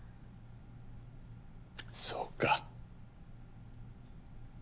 そうか。